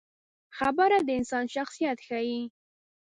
خبره د انسان شخصیت ښيي.